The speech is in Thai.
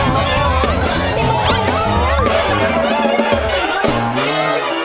ต้องฟิว